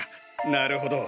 なるほど。